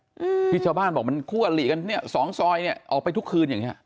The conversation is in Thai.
อืมที่ชาวบ้านบอกมันคู่อลิกันเนี้ยสองซอยเนี้ยออกไปทุกคืนอย่างเงี้